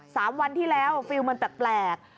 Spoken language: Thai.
สามวันที่แล้วเฟิลแบบแปลก